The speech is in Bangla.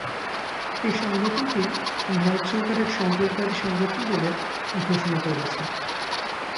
এই সংগঠনটি ভারত সরকার এক সন্ত্রাসবাদী সংগঠন বলে ঘোষণা করেছে।